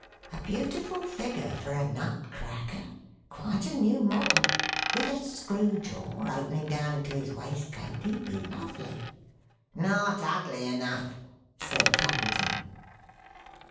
A beautiful figure for a nut cracker; quite a new model. With a screw jaw opening down into his waistcoat, he'd be lovely." "Not ugly enough," said Tackleton.